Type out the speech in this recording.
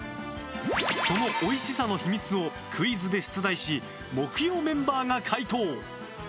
そのおいしさの秘密をクイズで出題し木曜メンバーが解答。